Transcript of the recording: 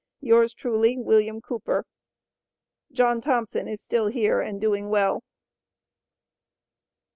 yours Truly, WILLIAM COOPER. John Thompson is still here and Doing well.